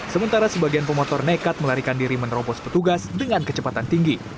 sementara sebagian pemotor nekat melarikan diri menerobos petugas dengan kecepatan tinggi